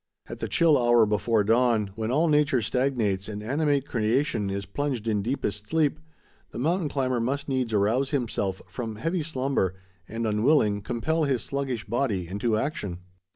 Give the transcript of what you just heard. At the chill hour before dawn, when all nature stagnates and animate creation is plunged in deepest sleep, the mountain climber must needs arouse himself from heavy slumber and, unwilling, compel his sluggish body into action.